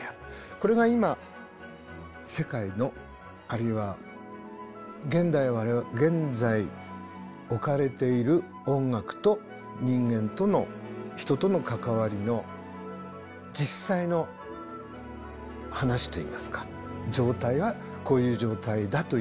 これが今世界のあるいは現代現在置かれている音楽と人間との人との関わりの実際の話といいますか状態はこういう状態だということです。